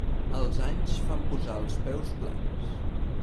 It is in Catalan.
Els anys fan posar els peus plans.